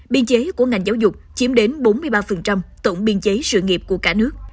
biên chế của ngành giáo dục chiếm đến bốn mươi ba tổng biên chế sự nghiệp của cả nước